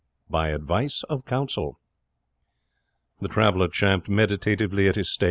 BY ADVICE OF COUNSEL The traveller champed meditatively at his steak.